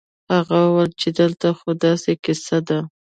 هغه وويل چې دلته خو داسې کيسه ده.